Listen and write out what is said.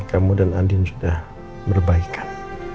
kamu dan andin sudah berbaikan